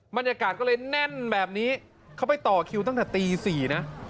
บรรยากาศก็เลยแน่นแบบนี้เขาไปต่อคิวตั้งแต่ตี๔นะ